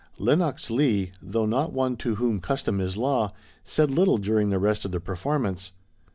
Lenox Leigh, though not one to whom custom is law, said little during the rest of the performance.